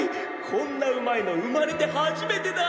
こんなウマいの生まれて初めてだ！